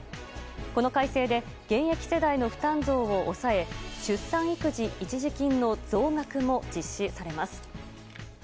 この改正で現役世代の負担増を抑え出産育児一時金の増額も実施されます。